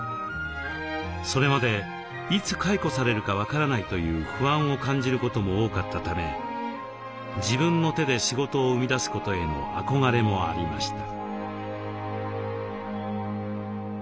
それまでいつ解雇されるか分からないという不安を感じることも多かったため自分の手で仕事を生み出すことへの憧れもありました。